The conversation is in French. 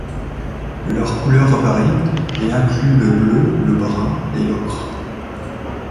Leurs couleurs varient, et incluent le bleu, le brun et l'ocre.